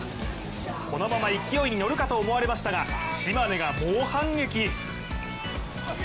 このまま勢いに乗るかと思いましたが、島根が猛反撃。